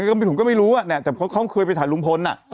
ยูทูเปอร์กหรือหรือก็ไม่รู้อะก็เคยไปถ่ายรุงพลอะ